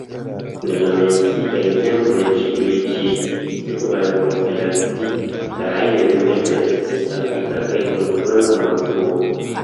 En la menciitaj ekzemploj ĉiuj ĉi-sekvaj profilaktikaj rimedoj estis aplikataj kun granda malfruo.